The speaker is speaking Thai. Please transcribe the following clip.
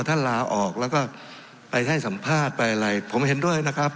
ลาออกแล้วก็ไปให้สัมภาษณ์ไปอะไรผมเห็นด้วยนะครับ